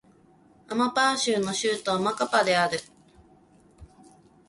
アマパー州の州都はマカパである